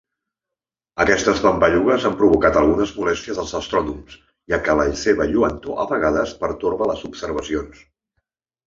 Aquestes pampallugues han provocat algunes molèsties als astrònoms ja que la seva lluentor a vegades pertorba les observacions.